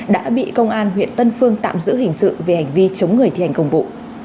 đã bị công an huyện tân phương tạm giữ hình sự về hành vi chống người thi hành công vụ